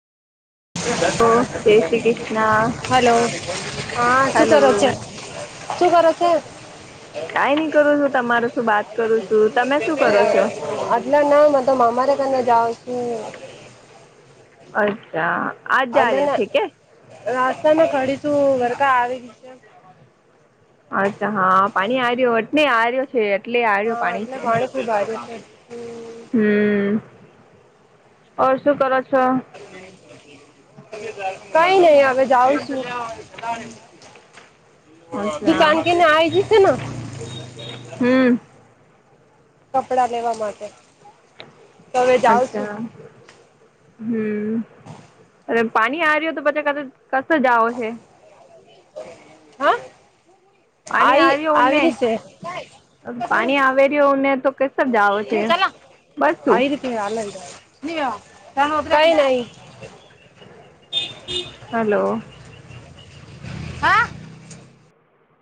જય શ્રી કૃષ્ણ હલો હા શું હલો કરો છો? શું કરે છે. કાઈ નઈ કરું છું તમાર શું બાત કરું છું તમે શું કરો છો. ના ના મા તો મામા ઘર જાઓ છું. અચ્છા. આજ જ અને આર્ય છે કે રાસ્તા માં ખડી તું ઘરકા આવી છે. અચ્છા હા પાણી આયું એટને આ્યો છે. એટલે આર્યો હા પાણી એટલે છે માણ કોઈ ભાર્યું છે. હમ ઓર શું કરો છો? [inaudible] કઈ નઈ હવે જાઉં છું. અચ્છા દુકાન કેને આ આવી જશે ના. હમ કપડા લેવા માટે. તો હવે જાઉં અચ્છા. છું હમ અરે પાણી આ્યું તો પછી ક કશે જાઓ છે. હા પાણી આવી આર્યો આવી ઉને રીશે. ચલો પાણી આવેર્યો ને તો કસ જાઓ છે બસ શું [unintelligible] [unintelligible] કઈ નઈ. હલો. હા